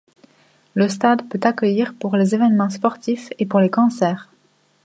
Le stade peut accueillir pour les événements sportifs et pour les concerts.